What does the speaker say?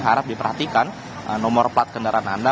harap diperhatikan nomor plat kendaraan anda